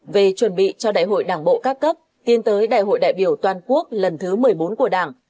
về chuẩn bị cho đại hội đảng bộ các cấp tiến tới đại hội đại biểu toàn quốc lần thứ một mươi bốn của đảng